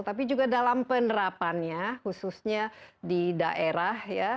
tapi juga dalam penerapannya khususnya di daerah ya